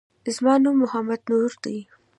زما نوم محمد نور دی